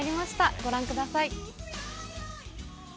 ご覧ください。